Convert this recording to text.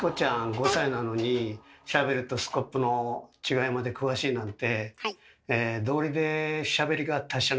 ５歳なのにシャベルとスコップの違いまで詳しいなんてあら！